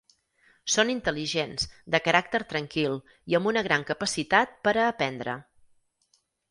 Són intel·ligents, de caràcter tranquil i amb una gran capacitat per a aprendre.